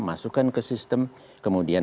masukkan ke sistem kemudian